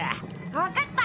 わかった！